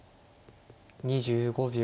２５秒。